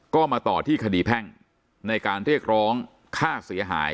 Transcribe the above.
ก็มาต่อที่คดีแพ่งในการเรียกร้องค่าเสียหาย